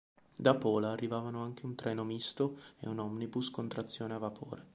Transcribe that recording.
Da Pola arrivavano anche un treno misto e un omnibus con trazione a vapore.